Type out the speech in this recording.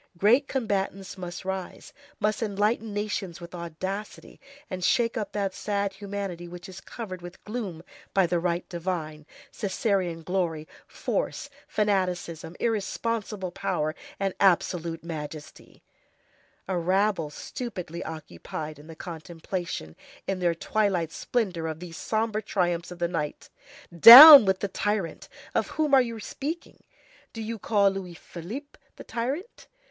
Great combatants must rise, must enlighten nations with audacity, and shake up that sad humanity which is covered with gloom by the right divine, Cæsarian glory, force, fanaticism, irresponsible power, and absolute majesty; a rabble stupidly occupied in the contemplation, in their twilight splendor, of these sombre triumphs of the night. Down with the tyrant! Of whom are you speaking? Do you call Louis Philippe the tyrant?